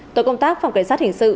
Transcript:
tổ công tác phòng kiểm soát hình sự